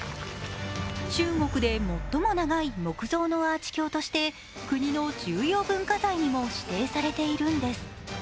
中国で最も長い木造のアーチ橋として国の重要文化財にも指定されているんです。